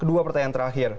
kedua pertanyaan terakhir